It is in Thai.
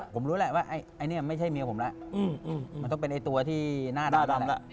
ผมรู้แล้วว่าอันนี้ไม่ใช่เมียผมแล้วมันต้องเป็นตัวที่หน้าดำแล้ว